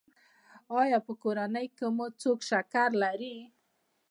ایا په کورنۍ کې مو څوک شکر لري؟